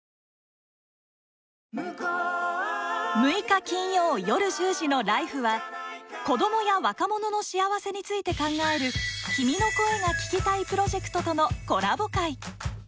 ６日金曜夜１０時の「ＬＩＦＥ！」は子どもや若者の幸せについて考える「君の声が聴きたい」プロジェクトとのコラボ回。